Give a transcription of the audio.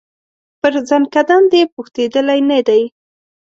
پر زکندن دي پوښتېدلی نه دی